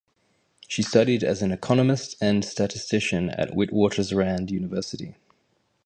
She studied as an economist and statistician at Witwatersrand University.